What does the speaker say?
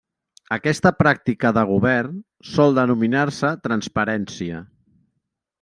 Aquesta pràctica de govern sòl denominar-se transparència.